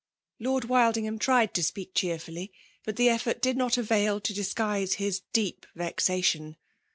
Lord Wildingham tried to speak cheerfully; but the effort did not avail to disguiae Ina deep vexation.